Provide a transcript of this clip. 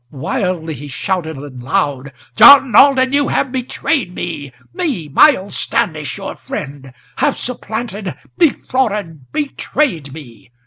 Wildly he shouted, and loud: "John Alden! you have betrayed me! Me, Miles Standish, your friend! have supplanted, defrauded, betrayed me!